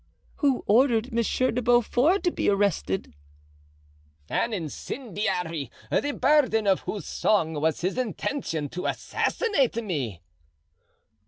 "Who ordered Monsieur de Beaufort to be arrested?" "An incendiary the burden of whose song was his intention to assassinate me."